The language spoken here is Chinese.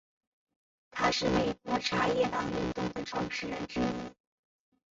他是美国茶叶党运动的创始人之一。